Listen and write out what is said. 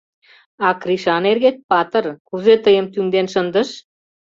А Кришан эргет патыр: кузе тыйым тӱҥден шындыш!